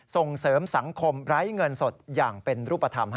ส่งเสริมสังคมไร้เงินสดอย่างเป็นรูปธรรม